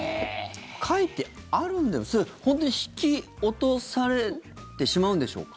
書いてあるそれ、本当に引き落とされてしまうんでしょうか？